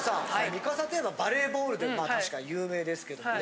ミカサといえばバレーボールでまあ確かに有名ですけどもね。